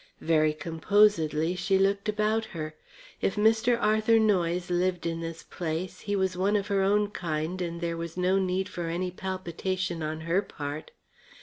Very composedly she looked about her. If Mr. Arthur Noyes lived in this place, he was one of her own kind and there was no need for any palpitation on her part.